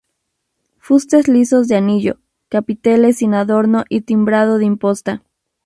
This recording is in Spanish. Fustes lisos de anillo, capiteles sin adorno y timbrado de imposta.